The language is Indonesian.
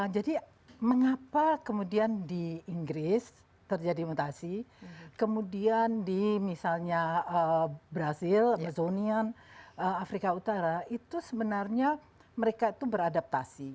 jadi mengapa kemudian di inggris terjadi mutasi kemudian di misalnya brazil amazonian afrika utara itu sebenarnya mereka itu beradaptasi